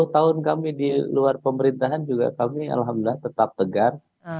sepuluh tahun kami di luar pemerintahan juga kami alhamdulillah tetap tegar